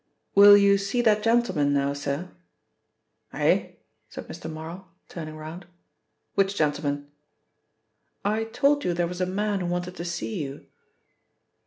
"Will you see that gentleman now, sir?" "Eh?" said Mr. Marl, turning round. "Which gentleman?" "I told you there was a man who wanted to see you."